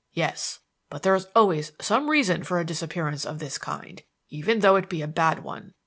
Yes; but there is always some reason for a disappearance of this kind, even though it be a bad one.